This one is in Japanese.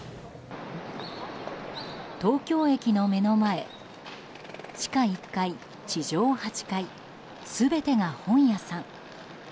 東京駅の目の前地下１階、地上８階全てが本屋さん。